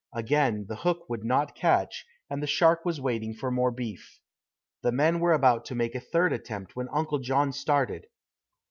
Again the hook would not catch, and the shark was waiting for more beef. The men were about to make a third attempt when Uncle John started.